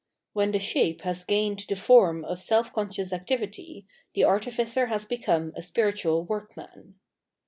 When the shape has gamed the form of self conscious activity, the artificer has become a spiritual workman.